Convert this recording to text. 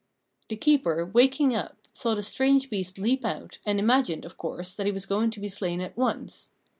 The keeper, waking up, saw the strange beast leap out, and imagined, of course, that he was going to be slain at once.